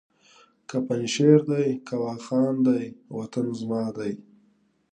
که پنجشېر دی که واخان دی وطن زما دی!